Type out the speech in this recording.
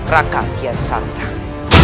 raka kian santang